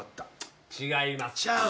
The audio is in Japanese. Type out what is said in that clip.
違います。